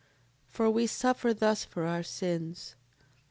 7:32. For we suffer thus for our sins.